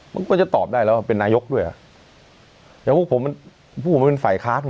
มันก็จะตอบได้แล้วว่าเป็นนายกด้วยอ่ะอย่างพวกผมมันพวกผมมันเป็นฝ่ายค้าน